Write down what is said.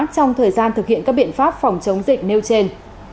trong thời gian thực hiện các biện pháp phòng chống dịch nêu trên